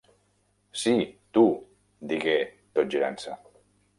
"Sí, tu", digué tot girant-se.